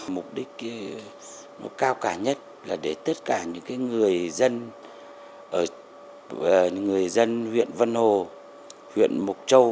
mục đích cao cả nhất là để tất cả những người dân huyện vân hồ huyện mộc châu